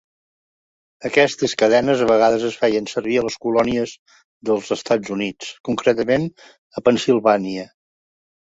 Aquestes cadenes a vegades es feien servir a les colònies dels Estats Units, concretament a Pennsilvània.